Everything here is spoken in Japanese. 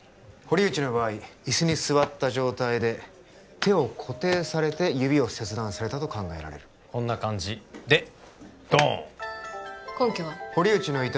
堀内の場合イスに座った状態で手を固定されて指を切断されたと考えられるこんな感じでドーン！